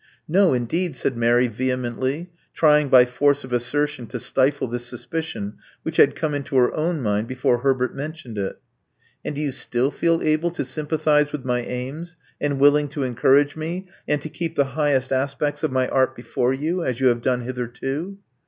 No, indeed," said Mary vehemently, trying by force of assertion to stifle this suspicion, which had come into her own mind before Herbert mentioned it. And do you still feel able to sympathize with my aims, and willing to encourage me, and to keep the highest aspects of my art before me, as you have done hitherto?"